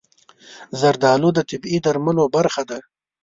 زردالو د طبیعي درملو برخه ده.